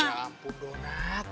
ya ampun donat